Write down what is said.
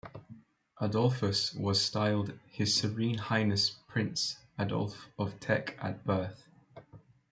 Adolphus was styled "His Serene Highness" Prince Adolphus of Teck at birth.